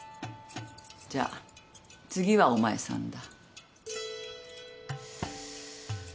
じゃあ次はお前さんだ。